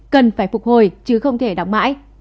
cần phải phục hồi chứ không thể đóng mãi